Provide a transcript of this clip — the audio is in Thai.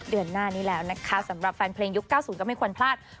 เดือนหน้านี้แล้วนะคะสำหรับแฟนเพลงยุค๙๐ก็ไม่ควรพลาด